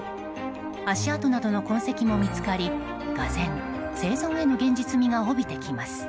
足跡などの痕跡も見つかりがぜん、生存への現実味が帯びてきます。